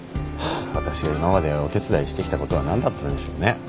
ハァわたしが今までお手伝いしてきたことは何だったんでしょうね。